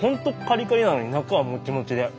カリカリなのに中はモチモチで。